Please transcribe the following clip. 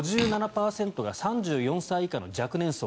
５７％が３４歳以下の若年層。